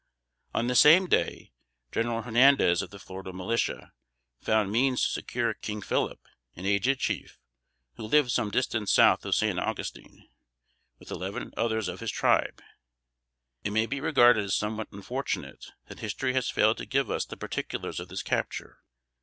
On the same day, General Hernandez of the Florida militia, found means to secure King Phillip, an aged chief, who lived some distance south of San Augustine, with eleven others of his tribe. It may be regarded as somewhat unfortunate, that history has failed to give us the particulars of this capture.